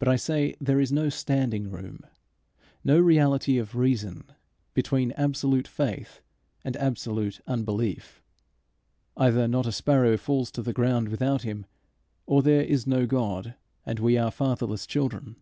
But I say there is no standing room, no reality of reason, between absolute faith and absolute unbelief. Either not a sparrow falls to the ground without Him, or there is no God, and we are fatherless children.